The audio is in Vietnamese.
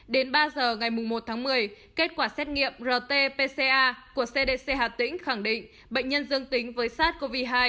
đến ba giờ ngày một tháng một mươi kết quả xét nghiệm rt pca của cdc hà tĩnh khẳng định bệnh nhân dương tính với sars cov hai